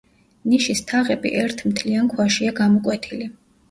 ნიშის თაღები ერთ მთლიან ქვაშია გამოკვეთილი.